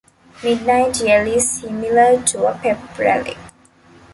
Midnight Yell is similar to a pep rally.